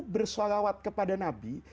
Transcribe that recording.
bersholawat kepada nabi